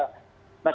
nah kami juga